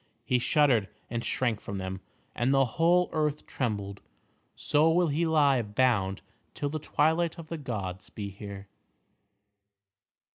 He shuddered and shrank from them, and the whole earth trembled. So will he lie bound till the Twilight of the Gods be here.